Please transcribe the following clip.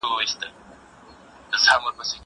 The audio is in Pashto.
زه بايد چپنه پاک کړم!؟